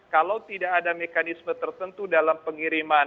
kalau tidak ada mekanisme tertentu dalam pengiriman